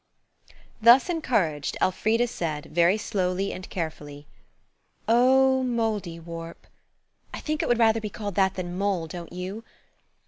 Thus encouraged, Elfrida said, very slowly and carefully, "'Oh, Mouldiwarp'–I think it would rather be called that than mole, don't you?